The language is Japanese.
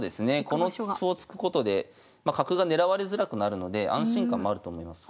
この歩を突くことで角が狙われづらくなるので安心感もあると思います。